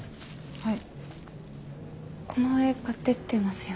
はい。